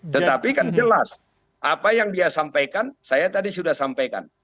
tetapi kan jelas apa yang dia sampaikan saya tadi sudah sampaikan